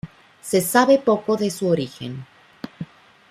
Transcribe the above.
Se sabe poco de su origen.